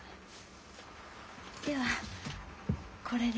ではこれで。